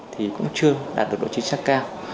thì cũng chưa đạt được độ chính xác cao